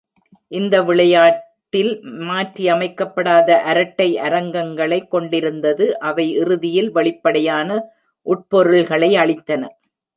இந்த விளையாட்டில், மாற்றியமைக்கப்படாத அரட்டை அரங்கங்களை கொண்டிருந்தது. அவை இறுதியில், வெளிப்படையான உட்பொருள்களை அளித்தன.